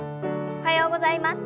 おはようございます。